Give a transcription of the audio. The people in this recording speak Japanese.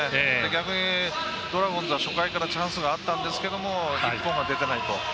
逆に、ドラゴンズは初回からチャンスがあったんですけど１本が出ていないと。